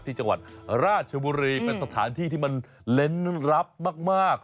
ที่จังหวัดราชบุรีเป็นสถานที่ที่มันเล้นรับมาก